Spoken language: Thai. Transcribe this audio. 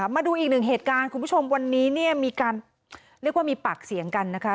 มาดูอีกหนึ่งเหตุการณ์คุณผู้ชมวันนี้เนี่ยมีการเรียกว่ามีปากเสียงกันนะคะ